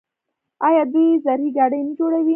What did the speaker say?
آیا دوی زرهي ګاډي نه جوړوي؟